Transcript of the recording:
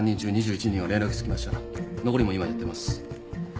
残りも今やってます。